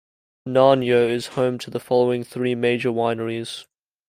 Nanyo is home to the following three major wineries.